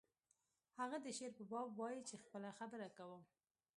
هغه د شعر په باب وایی چې خپله خبره کوم